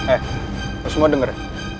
eh lo semua denger ya